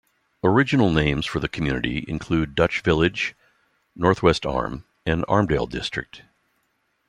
Original names for the community included Dutch Village, North-West Arm, and Armdale District.